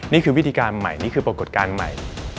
นี่คือวิธีการใหม่นี่คือปรากฏการณ์ใหม่